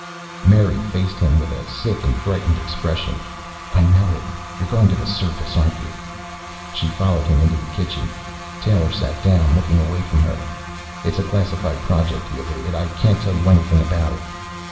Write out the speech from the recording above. Mary faced him with a sick and frightened expression. "I know it. You're going to the surface. Aren't you?" She followed him into the kitchen. Taylor sat down, looking away from her. "It's a classified project," he evaded. "I can't tell you anything about it."